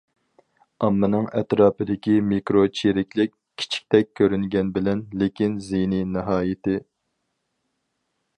ئاممىنىڭ ئەتراپىدىكى« مىكرو چىرىكلىك» كىچىكتەك كۆرۈنگەن بىلەن، لېكىن زىيىنى ناھايىتى.